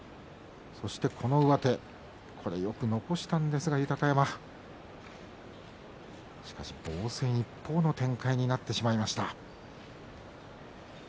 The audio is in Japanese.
そして上手よく残したんですが豊山防戦一方の展開になってしまいました。